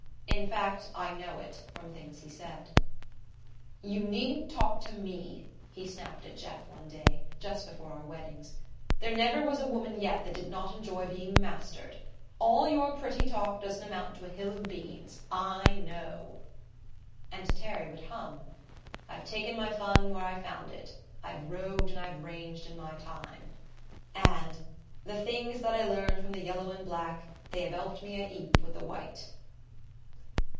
In fact, I know it, from things he said. "You needn't talk to me," he snapped at Jeff one day, just before our weddings. "There never was a woman yet that did not enjoy being mastered. All your pretty talk doesn't amount to a hill o'beans I know." And Terry would hum: I've taken my fun where I found it. I've rogued and I've ranged in my time, and The things that I learned from the yellow and black, They 'ave helped me a 'eap with the white.